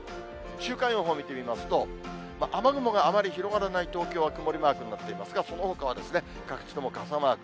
週間予報見てみますと、雨雲があまり広がらない東京は曇りマークになっていますが、そのほかはですね、各地とも傘マーク。